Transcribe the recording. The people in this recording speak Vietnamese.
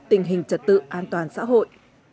tình hình trật tự an toàn xã hội